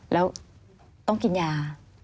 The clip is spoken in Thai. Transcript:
แล้วต้องกินยา